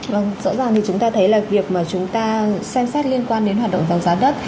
vâng rõ ràng thì chúng ta thấy là việc mà chúng ta xem xét liên quan đến hoạt động giảm giá đất